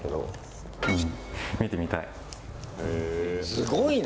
すごいな。